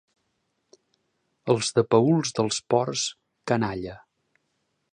Els de Paüls dels Ports, canalla.